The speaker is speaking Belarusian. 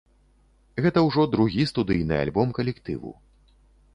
Гэта ўжо другі студыйны альбом калектыву.